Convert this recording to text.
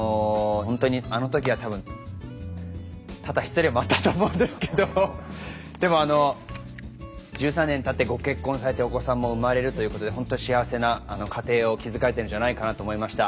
本当にあの時は多分多々失礼もあったと思うんですけどでもあの１３年たってご結婚されてお子さんも生まれるということでほんと幸せな家庭を築かれてるんじゃないかなと思いました。